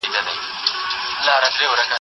کېدای سي واښه ګډه وي.